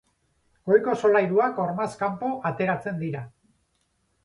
Goiko solairuak hormaz kanpo ateratzen dira.